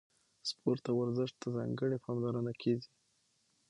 سپورت او ورزش ته ځانګړې پاملرنه کیږي.